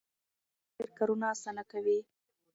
خو پیسې ډېر کارونه اسانه کوي.